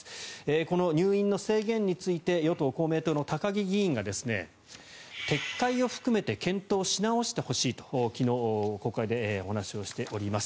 この入院の制限について与党・公明党の高木議員が撤回を含めて検討し直してほしいと昨日、国会でお話をしております。